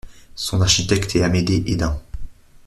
Son architecte est Amédée Hédin.